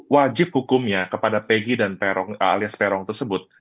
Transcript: wajib hukumnya kepada peggy alias perong tersebut